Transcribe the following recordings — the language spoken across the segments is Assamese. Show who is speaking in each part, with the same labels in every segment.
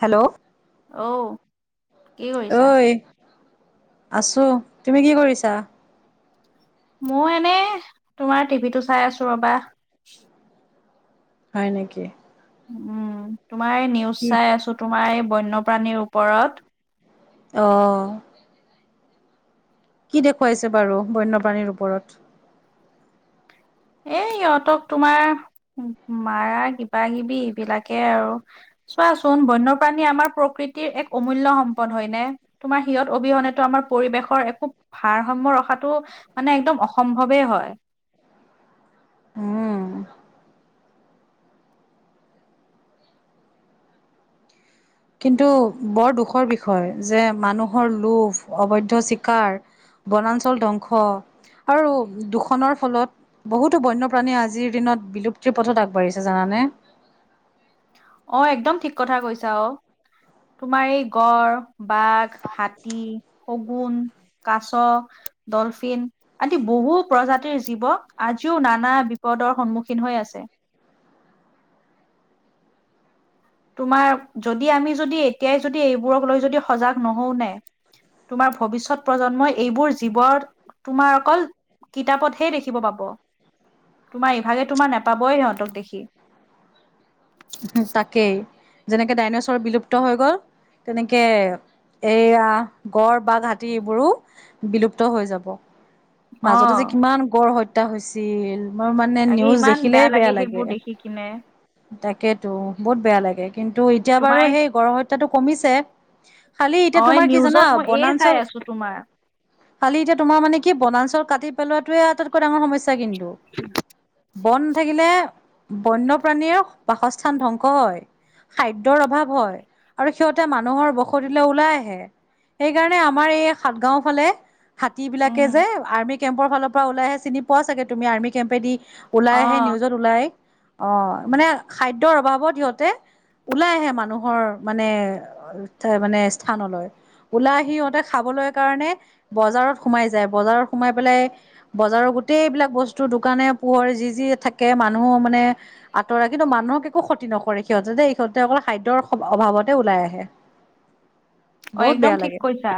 Speaker 1: হেল্ল'
Speaker 2: ঐ কি কৰিছা?
Speaker 1: আছো, তুমি কি কৰিছা?
Speaker 2: মই এনে তোমাৰ টিভিটো চাই আছো ৰ'বা।
Speaker 1: হয় নেকি?
Speaker 2: উম তোমাৰ এই নিউজ
Speaker 1: কি?
Speaker 2: চাই আছো। তোমাৰ এই বন্যপ্ৰাণীৰ ওপৰত।
Speaker 1: অ'। কি দেখুৱাইছে বাৰু বন্যপ্ৰাণীৰ ওপৰত?
Speaker 2: এ ইহঁতক তোমাৰ মাৰা কিবা কিবি এইবিলাকে আৰু। চোৱাচোন বন্যপ্ৰাণী আমাৰ প্ৰকৃতিৰ এক অমূল্য সম্পদ হয় নে? তোমাৰ সিহঁত অবিহনেতো আমাৰ পৰিৱেশৰ একো ভাৰসাম্য ৰখাটো মানে একদম অসম্ভৱেই হয়।
Speaker 1: উম। কিন্তু বৰ দুখৰ বিষয় যে মানুহৰ লোভ অবৈধ চিকাৰ। বনাঞ্চল ধ্বংস। আৰু দুখনৰ ফলত বহুতো বন্যপ্ৰাণীয়ে আজিৰ দিনত বিলুপ্তিৰ পথত আগবাঢ়িছে জানা। নে?
Speaker 2: অ' একদম ঠিক কথা কৈছা অ'। তোমাৰ এই গড়, বাঘ, হাতী, শগুন, কাছ ডলফিন আদি বহু প্ৰজাতিৰ জীৱ আজিও নানা বিপদৰ সন্মুখীন হৈ আছে। আছে। তোমাৰ যদি আমি যদি এতিয়াই যদি এইবোৰক লৈ যদি সজাগ নহও নাই, তোমাৰ ভৱিষ্যত প্ৰজন্মই এইবোৰ জীৱৰ তোমাৰ অকল কিতাপতহে দেখিব পাব। তোমাৰ ইভাগে তোমাৰ নাপাবই সিহঁতক দেখি।
Speaker 1: তাকেই। যেনেকে ডাইনছৰ বিলুপ্ত হৈ গ'ল। তেনেকে এইয়া গড় বাঘ, হাতী এইবোৰো বিলুপ্ত হৈ যাব। মাজতে যে
Speaker 2: অ'
Speaker 1: কিমান গড় হ ত্যা [inaudible] হৈছিল, মোৰ মানে
Speaker 2: তাকে
Speaker 1: নিউজ
Speaker 2: ইমান
Speaker 1: দেখিলেই বেয়া লাগে।
Speaker 2: সেইবোৰ দেখি কিনে।
Speaker 1: তাকেতো বহুত বেয়া লাগে কিন্তু, এতিয়া বাৰু
Speaker 2: তোমাৰ
Speaker 1: সেই গড় হত্যাটো কমিছে। খালি এতিয়া
Speaker 2: অ'
Speaker 1: তোমাৰ কি জানা।
Speaker 2: নিউজত মই এই চাই
Speaker 1: বনাঞ্চল
Speaker 2: আছো তোমাৰ।
Speaker 1: খালি। এতিয়া তোমাৰ মানে কি বনাঞ্চল কাটি পেলোৱাতোৱে আটাইতকৈ ডাঙৰ সমস্যা কিন্তু। বন নাথাকিলে বন্যপ্ৰাণীৰ বাসস্থান ধ্বংস হয়। খাদ্যৰ অভাৱ হয়। আৰু সিহঁতে মানুহৰ বসতিলৈ ওলাই আহে। সেইকাৰণে আমাৰ এই সাত গাওঁ ফালে। হাতী বিলাকে
Speaker 2: উম,
Speaker 1: যে আৰ্মি কেম্পৰ ফালৰ পৰা ওলাইহে চিনি পোৱা চাগে তুমি? আৰ্মি কেম্পেদি ওলাই আহে।
Speaker 2: অ'।
Speaker 1: নিউজত ওলাই আহ মানে খাদ্যৰ অভাৱত সিহঁতে ওলাই আহে। মানুহৰ মানে এ মানে স্থানলৈ। ওলাই আহি সিহঁতে খাবলৈ কাৰণে বজাৰত সোমাই যায়। বজাৰত সোমাই পেলাই বজাৰৰ- গোটেইবিলাক বস্তু দোকানে পোহৰে যি যি থাকে মানুহ মানে আঁতৰা কিন্তু মানুহক একো ক্ষতি নকৰে সিহঁতে দেই, সিহঁতে অকল খাদ্যৰ অভাৱতে ওলাই আহে।
Speaker 2: অ
Speaker 1: বহুত
Speaker 2: একদম
Speaker 1: বেয়া
Speaker 2: ঠিক
Speaker 1: লাগে
Speaker 2: কৈছা।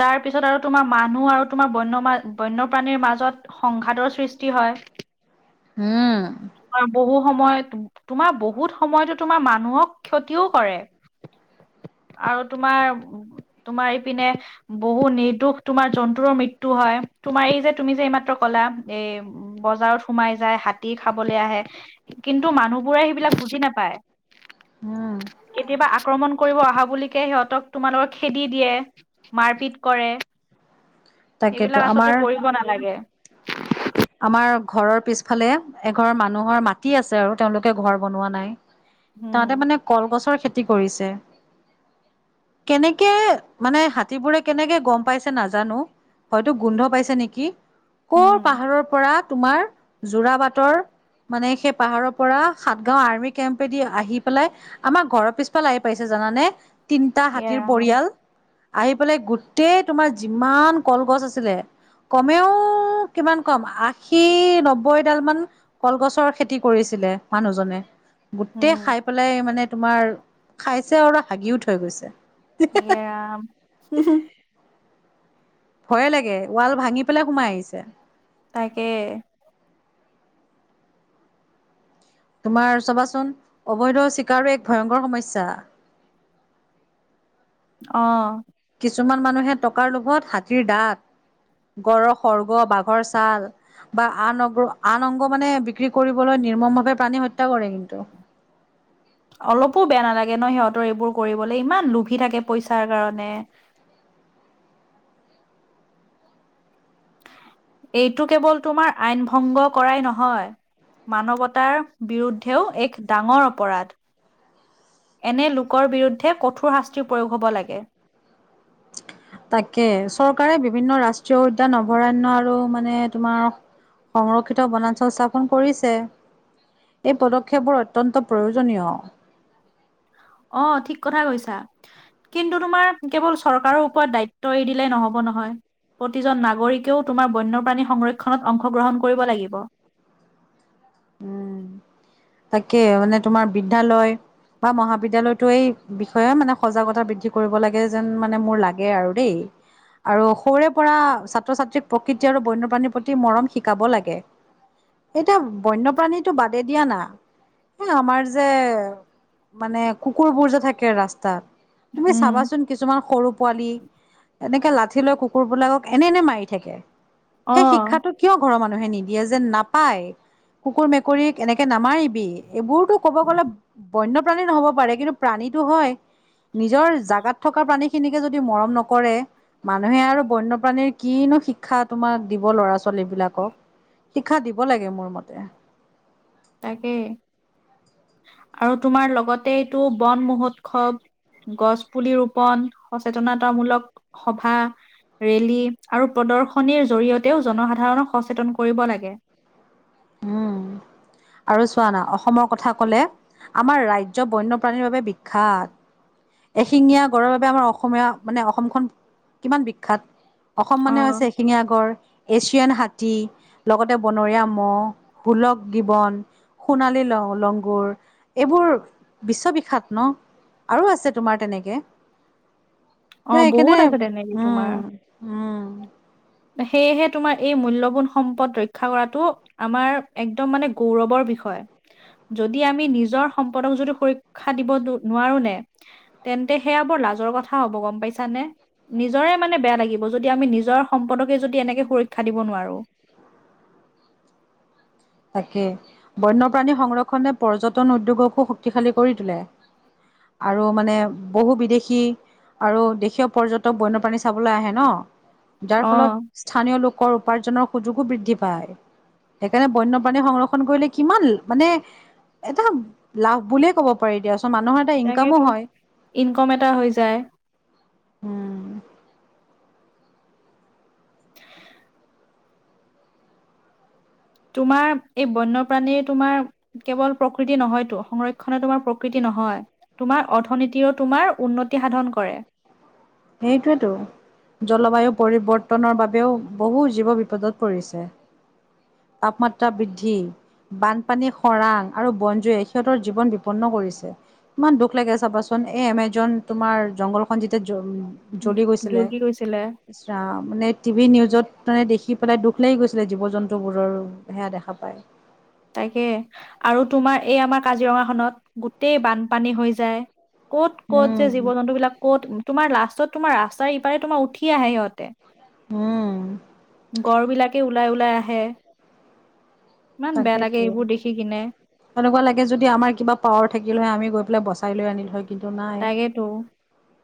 Speaker 2: তাৰ পিছত আৰু তোমাৰ মানুহ আৰু তোমাৰ বন্য বন্যপ্ৰাণীৰ মাজত সংঘাতৰ সৃষ্টি হয়।
Speaker 1: হ'ম।
Speaker 2: তোমাৰ বহু সময়ত তোমাৰ বহুত সময়তো তোমাৰ মানুহক ক্ষতিও কৰে। [inaudible] আৰু তোমাৰ তোমাৰ ইপিনে বহু নিৰ্দোষ তোমাৰ জন্তুৰো মৃত্যু হয়। তোমাৰ এই যে তুমি যে এইমাত্ৰ কলা এই বজাৰত সোমাই যায় হাতী খাবলৈ আহে কিন্তু মানুহ বোৰে সেইবিলাক বুজি নাপায়।
Speaker 1: উম।
Speaker 2: কেতিয়াবা আক্ৰমণ কৰিব অহা বুলিকে সিহঁতক তোমালোকৰ খেদি দিয়ে, মাৰপিট কৰে।
Speaker 1: তাকেতো
Speaker 2: এইবিলাক
Speaker 1: আমাৰ
Speaker 2: আচলতে কৰিব নালাগে।
Speaker 1: আমাৰ ঘৰৰ পিছফালে এঘৰৰ মানুহৰ মাটি আছে আৰু, তেওঁলোকে ঘৰ বনোৱা নাই। তাহাঁতে
Speaker 2: উম,
Speaker 1: মানে কলগছৰ খেতি কৰিছে। কেনেকে মানে হাতীবোৰে কেনেকে গম পাইছে নাজানো। হয়তো গোন্ধ পাইছে নেকি কৰ
Speaker 2: উম,
Speaker 1: পাহাৰৰ পৰা তোমাৰ জোৰা বাটৰ মানে সেই পাহাৰৰ পৰা সাতগাও আৰ্মি কেম্পেদি আহি পেলাই আমাৰ ঘৰৰ পিছফালে আহ পাইছে জানানে তিনিটা
Speaker 2: এ
Speaker 1: হাতীৰ
Speaker 2: ৰাম,
Speaker 1: পৰিয়াল। আহি পেলাই গোটেই তোমাৰ যিমান কলগছ আছিলে কমেও কিমান কম আশী নব্বৈডাল মান কলগছৰ খেতি কৰিছিলে মানুহজনে। গোটেই
Speaker 2: উম।
Speaker 1: খাই পেলাই মানে তোমাৰ খাইছে অল হাগিও থৈ গৈছে।
Speaker 2: এৰাম
Speaker 1: ভয়ে লাগে ৱাল ভাঙি পেলাই সোমাই আহিছে।
Speaker 2: তাকে।
Speaker 1: তোমাৰ চবাচোন অবৈধ চিকাৰো এক ভয়ংকৰ সমস্যা
Speaker 2: অ
Speaker 1: কিছুমান মানুহে টকাৰ লোভত হাতীৰ দাত গড়ৰ সৰ্গ বাঘৰ ছাল বা আন অগ্ৰ আন অংগ মানে বিক্ৰী কৰিবলৈ নিৰ্মম ভাৱে প্ৰাণী হত্যা কৰে কিন্তু
Speaker 2: [inaudible] অলপো বেয়া নালাগে ন সিহঁতৰ এইবোৰ কৰিবলৈ ইমান লোভি থাকে পইচাৰ কাৰণে। [inaudible] এইটো কেৱল তোমাৰ আইন ভংগ কৰাই নহয়। মানৱতাৰ বিৰুদ্ধেও এক ডাঙৰ অপৰাধ। এনে লোকৰ বিৰুদ্ধে কঠোৰ শাস্তিৰ প্ৰয়োগ হ'ব লাগে।
Speaker 1: তাকে চৰকাৰে বিভিন্ন ৰাষ্ট্ৰীয় উদ্যান অভয়াৰণ্য আৰু মানে তোমাৰ সংৰক্ষিত বনাঞ্চল স্থাপন কৰিছে। এই পদক্ষেপবোৰ অত্যন্ত প্ৰয়োজনীয়।
Speaker 2: অ ঠিক কথা কৈছা। কিন্তু তোমাৰ কেৱল চৰকাৰৰ ওপৰত দায়িত্ব এৰি দিলে নহব নহয়। প্ৰতিজন নাগৰিকেও তোমাৰ বন্যপ্ৰাণী সংৰক্ষণত অংশগ্ৰহণ কৰিব লাগিব। [inaudible]
Speaker 1: উম তাকে মানে তোমাৰ বিদ্যালয়। বা মহাবিদ্য়ালয়তটো এই বিষয়ে মানে সজাগতা বৃদ্ধি কৰিব লাগে যেন মানে মোৰ লাগে আৰু দেই। আৰু সৰুৰে পৰা ছাত্ৰ ছাত্ৰীক প্ৰকৃতি আৰু বন্যপ্ৰাণীৰ প্ৰতি মৰম শিকাব লাগে। এতিয়া বন্যপ্ৰাণীতো বাদে দিয়া না। এ আমাৰ যে মানে কুকুৰবোৰ যে থাকে ৰাস্তাত। তুমি
Speaker 2: উম,
Speaker 1: চাবাচোন কিছুমান। সৰু পোৱালি এনেকে লাঠি লৈ কুকুৰবিলাকক এনে এনে মাৰি থাকে। সেই
Speaker 2: অ'।
Speaker 1: শিক্ষাটো কিয় ঘৰৰ মানুহে নিদিয়ে যে নাপায়। কুকুৰ মেকুৰীক এনেকে নামাৰিবি এইবোৰতো ক'ব গ'লে। বন্যপ্ৰাণী নহ'ব পাৰে কিন্তু প্ৰাণীটো হয়। নিজৰ জাগাত থকা প্ৰাণী খিনিকে যদি মৰম নকৰে মানুহে আৰু বন্যপ্ৰাণীৰ কিনো শিক্ষা তোমাক দিব ল'ৰা ছোৱালী বিলাকক। শিক্ষা দিব লাগে মোৰ মতে।
Speaker 2: তাকেই আৰু তোমাৰ লগতে এইটো বন মহোৎসৱ গছ পুলি ৰোপন সচেতনতামূলক সভা ৰেলী আৰু প্ৰদৰ্শনীৰ জৰিয়তেও জনসাধাৰণক সচেতন কৰিব লাগে। [inaudible]
Speaker 1: উম আৰু চোৱা না অসমৰ কথা কলে আমাৰ ৰাজ্য বন্যপ্ৰাণীৰ বাবে বিখ্যাত। এশিঙীয়া গড়ৰ বাবে আমাৰ অসমীয়া মানে অসমখন কিমান বিখ্যাত। অসম
Speaker 2: অ
Speaker 1: মানে হৈছে এহিঙিয়া গঁড় এছিয়ান হাতী লগতে বনৰীয়া মহ' হোলক গিবন সোণালী ল লংগুৰ এইবোৰ বিশ্ববিখ্যাত ন। ন আৰু আছে তোমাৰ তেনেকে। ত
Speaker 2: অ
Speaker 1: সেইকাৰণে
Speaker 2: বহুত আছে তেনেকে
Speaker 1: উম
Speaker 2: তোমাৰ
Speaker 1: উম
Speaker 2: সেয়েহে তোমাৰ এই মূল্যবান সম্পদ ৰক্ষা কৰাটো আমাৰ একদম মানে গৌৰৱৰ বিষয়। হয়। যদি আমি নিজৰ সম্পদক যদি সুৰক্ষা দিব নোৱাৰো নে তেন্তে সেয়া বৰ লাজৰ কথা হ'ব গম পাইছা নে। নিজৰে মানে বেয়া লাগিব যদি আমি নিজৰ। সম্পদকে যদি এনেকে সুৰক্ষা দিব নোৱাৰো।
Speaker 1: তাকে বন্যপ্ৰাণী সংৰক্ষনে পৰ্যটন উদ্যোগকো শক্তিশালী কৰি তোলে। আৰু মানে বহু বিদেশী আৰু দেশীয় পৰ্যটক বন্য প্ৰাণী চাবলৈ আহে ন। যাৰ
Speaker 2: অ
Speaker 1: ফলত স্থানীয় লোকৰ উপাৰ্জনৰ সুযোগো বৃদ্ধি পায়। সেইকাৰণে বন্য বন্যপ্ৰাণী সংৰক্ষণ কৰিলে কিমান মানে এটা লাভ বুলিয়ে ক'ব পাৰি দিয়া চোন। মানুহৰ এটা ইনকামো
Speaker 2: তাকেতো
Speaker 1: হয়
Speaker 2: ইনকম এটা হৈ যায়
Speaker 1: উম।।
Speaker 2: [unintelligible] তোমাৰ এই বন্যপ্ৰাণীৰ তোমাৰ কেৱল প্ৰকৃতি নহয়তো সংৰক্ষনে তোমাৰ প্ৰকৃতি ন। নহয় তোমাৰ অৰ্থনীতিও তোমাৰ উন্নতি সাধন কৰে।
Speaker 1: সেইটোৱেতো। জলবায়ু পৰিৱৰ্তনৰ বাবেও বহু জীৱ বিপদত পৰিছে। তাপমাত্ৰা বৃদ্ধি বানপানী খৰাং আৰু বনজুৱে সিহঁতৰ জীৱন বিপন্ন কৰিছে। ইমান দুখ লাগে চাবাচোন এই এমেজন তোমাৰ জংঘলখন যেতিয়া উ জ্বলি গৈছিলে
Speaker 2: যোগী কৈছিলে
Speaker 1: ইছ ৰাম মানে টিভি নিউজত মানে দেখি পেলাই দুখ লাগি গৈছিলে জীৱ জন্তু বোৰৰ সেয়া দেখা পায়।
Speaker 2: তাকে আৰু তোমাৰ এই আমাৰ কাজিৰঙা খনত গোটেই বানপানী হৈ যায়। ক'ত ক'ত
Speaker 1: উম,
Speaker 2: যে জীৱ জন্তুবলাক ক'ত তোমাৰ লাষ্টত তোমাৰ ৰাস্তাৰ ইপাৰে তোমাৰ উঠি আহে সিহঁতে।
Speaker 1: উম,
Speaker 2: গড়বিলাকে ওলাই ওলাই আহে। ইমান বেয়া। লাগে
Speaker 1: তাকেতো।
Speaker 2: এইবোৰ দেখি কিনে
Speaker 1: এনেকুৱা লাগে যদি আমাৰ কিবা পাৱাৰ থাকিল হয় আমি গৈ পেলাই বচাই লৈ আনিলো হয়। কিন্তু নাই।
Speaker 2: তাকেতো।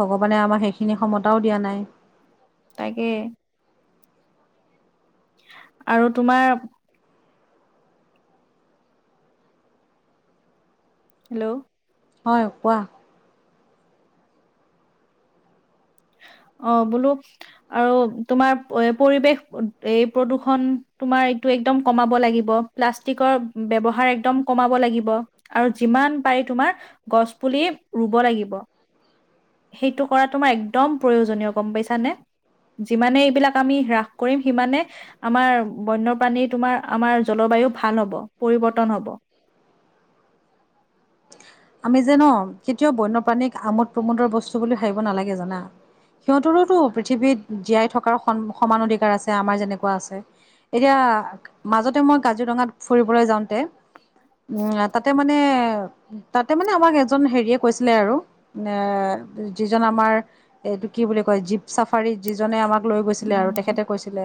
Speaker 1: ভগৱানে আমাৰ সেইখিনি ক্ষমতাও দিয়া নাই।
Speaker 2: তাকে। আৰু তোমাৰ হেল্ল'।
Speaker 1: হয় কোৱা।
Speaker 2: [unintelligible] অ বোলো আৰু তোমাৰ এ পৰিৱেশ এই প্ৰদূষণ তোমাৰ একদম কমাব লাগিব প্লাষ্টিকৰ ব্যৱহাৰ একদম কমাব লাগিব আৰু যিমান পাৰি তোমাৰ গছ পুলি ৰুব লাগিব। সেইটো কৰা তোমাৰ একদম প্ৰয়োজনীয় গম পাইছানে যিমানে এইবিলাক আমি হ্ৰাস কৰিম সিমানে আমাৰ বন্যপ্ৰাণীৰ তোমাৰ আমাৰ জলবায়ু ভাল হ'ব পৰিৱৰ্তন হ'ব
Speaker 1: আমি যে ন কেতিয়াও বন্যপ্ৰাণীক আমোদ প্ৰমোদৰ বস্তু বুলি ভাবিব নালাগে জানা সিহঁতৰোতো পৃথিৱীত জীয়াই থকাৰ সমান অধিকাৰ আছে আমাৰ যেনেকুৱা আছে এতিয়া মাজতে মই কাজিৰঙাত ফুৰিবলৈ যাওঁতে উম তাতে মানে তাতে মানে আমাক এজন হেৰিয়ে কৈছিলে আৰু এ যিজন আমাৰ এইটো কি বুলি কয় জীপ চাফাৰীত যিজনে আমাক লৈ গৈছিলে আৰু
Speaker 2: উম
Speaker 1: তেখেতে কৈছিলে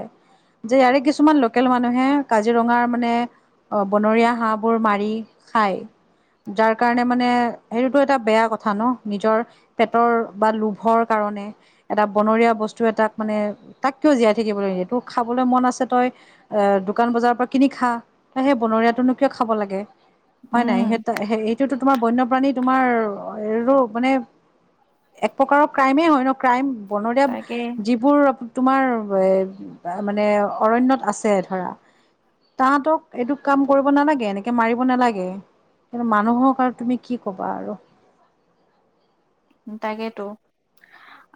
Speaker 1: যে ইয়াৰে কিছুমান লোকেল মানুহে কাজিৰঙাৰ মানে অ বনৰীয়া হাঁহবোৰ মাৰি খায় যাৰ কাৰণে মানে সেইটোতো এটা বেয়া কথা ন নিজৰ পেটৰ বা লোভৰ কাৰ তণে এটা বনৰীয়া বস্তু এটাত মানে, তাক কিয় জীয়াই থাকিব লাগে তোক খাবলে মন আছে তই এ দোকান বজাৰৰ পৰা কিনি খা তই সেই বনৰীয়াটোনো কিয় খাব লাগে। হয়
Speaker 2: উম
Speaker 1: নাই সেই এইটোতো তোমাৰ বন্যপ্ৰাণী তোমাৰ মানে এক প্ৰকাৰৰ ক্ৰাইমে হয় ন ক্ৰাইম বনৰীয়া
Speaker 2: তাকে
Speaker 1: যিবোৰ তোমাৰ এ মানে অৰণ্যত আছে ধৰা তাহাঁতক এইটো কাম কৰিব নালাগে এনেকে মাৰিব নালাগে। কিন্তু মানুহৰ কাৰণ তুমি কি কবা আৰু।
Speaker 2: তাকেতো।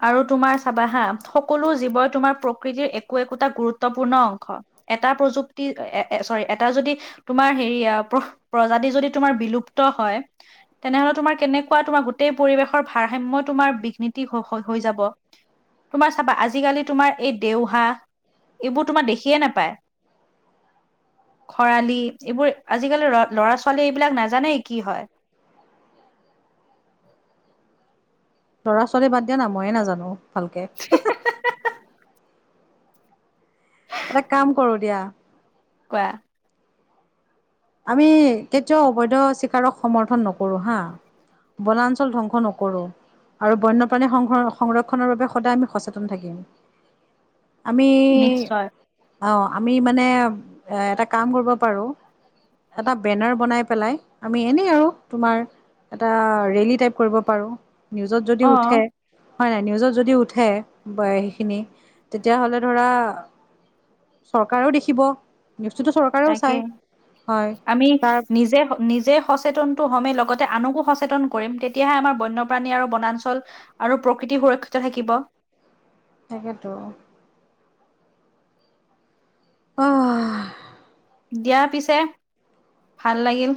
Speaker 2: আৰু তোমাৰ চাবাহা সকলো জীৱই তোমাৰ প্ৰকৃতিৰ একো একোটা গুৰুত্বপূৰ্ণ অংশ। এটা প্ৰযুক্তি চৰি এটা যদি তোমাৰ হেৰি প্ৰজাতি যদি তোমাৰ বিল লুপ্ত হয় তেনেহলে তোমাৰ কেনেকুৱা তোমাৰ গোটেই পৰিৱেশ ভাৰসাম্য তোমাৰ বিঘ্নতি হৈ যাব। তোমাৰ চাবা আজিকালি তোমাৰ এই দেওহা এইবোৰ তোমাৰ দেখিয়ে নাপায়। খৰালি এইবোৰ আজিকালি ল ল'ৰা ছোৱালী এইবিলাক নাজানেই কি হয়। [inaudible]
Speaker 1: ল'ৰা ছোৱালী বাদ দিয়া না ময়ে নাজানো ভালকে। এটা কাম কৰো দিয়া
Speaker 2: কোৱা
Speaker 1: আমি কেতিয়াও অবৈধ চিকাৰক সমৰ্থন নকৰো হা। বনাঞ্চল ধ্বংস নকৰো। আৰু বন্যপ্ৰাণী সংৰক্ষনৰৰ বাবে সদায় আমি সচেতন থাকিম। আমি
Speaker 2: নিশ্চয়
Speaker 1: অ আমি মানে এটা কাম কৰিব পাৰো। এটা বেনাৰ বনাই পেলাই আমি এনেই আৰু তোমাৰ এটা ৰেলী টাইপ কৰিব পাৰো নিউজত যদি
Speaker 2: অ
Speaker 1: উঠে হয় নাই নিউজত যদি উঠে সেইখিনি তেতিয়াহ'লে ধৰা চৰকাৰেও দেখিব নিউজটোতো চৰকাৰেও
Speaker 2: তাকে।
Speaker 1: চায়।
Speaker 2: আমি নিজে, নিজে সচেতনতো হমেই লগতে আনকো সচেতন কৰিম তেতিয়াহে আমাৰ বন্যপ্ৰাণী আৰু বনাঞ্চল আৰু প্ৰকৃতি সুৰক্ষিত থাকিব। [inaudible]
Speaker 1: তাকেতো। অ'
Speaker 2: দিয়া পিছে, ভাল লাগিল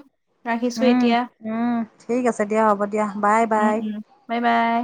Speaker 2: ৰাখিছো
Speaker 1: উম
Speaker 2: এতিয়া।
Speaker 1: উম ঠিক আছে দিয়া হ'ব দিয়া বাই,
Speaker 2: উম
Speaker 1: বাই।
Speaker 2: উম বাই বাই